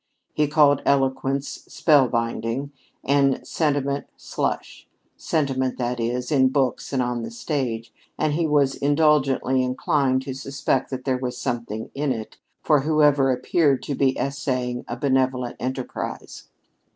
He called eloquence spell binding, and sentiment slush, sentiment, that is, in books and on the stage, and he was indulgently inclined to suspect that there was something "in it" for whoever appeared to be essaying a benevolent enterprise.